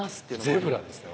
ゼブラですよ。